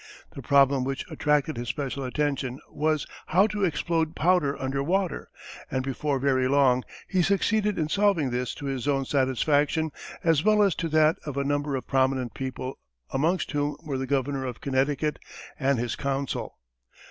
The problem which attracted his special attention was how to explode powder under water, and before very long he succeeded in solving this to his own satisfaction as well as to that of a number of prominent people amongst whom were the Governor of Connecticut and his Council.